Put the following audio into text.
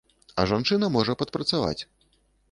А жанчына можа падпрацаваць.